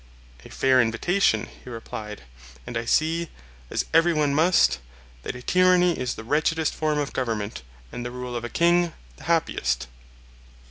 A fair invitation, he replied; and I see, as every one must, that a tyranny is the wretchedest form of government, and the rule of a king the happiest.